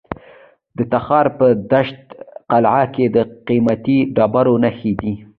د تخار په دشت قلعه کې د قیمتي ډبرو نښې دي.